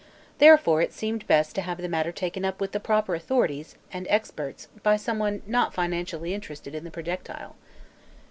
Therefore it seemed best to have the matter taken up with the proper authorities and experts by someone not financially interested in the projectile.